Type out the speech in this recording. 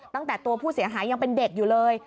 ตั้งแต่ตัวผู้เสียหายยังเป็นเด็กอยู่เลย